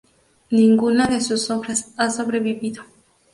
Ninguna de sus obras ha sobrevivido.